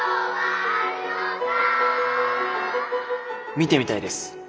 見てみたいです